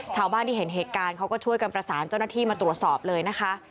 ชาวบ้านที่เห็นเหตุการณ์เขาก็ช่วยกันประสานเจ้าหน้าที่มาตรวจสอบเลยนะคะ